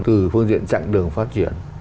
từ phương diện chặng đường phát triển